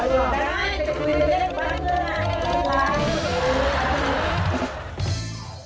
เหฮ่เหฮ่สกิดเดี๋ยว